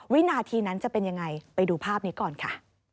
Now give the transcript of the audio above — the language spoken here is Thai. วินาทีนั้นจะเป็นยังไงไปดูภาพนี้ก่อนค่ะ